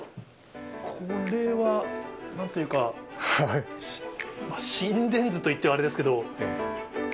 これは、なんというか、心電図と言ってはあれですけど。